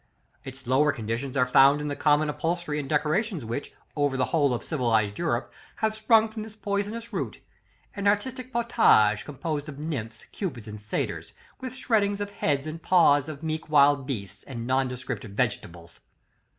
Its lower conditions are found in the common upholstery and decorations which, over the whole of civilized Europe, have sprung from this poisonous root; an artistical pottage, composed of nymphs, cupids, and satyrs, with shreddings of heads and paws of meek wild beasts, and nondescript vegetables.